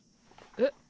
えっ？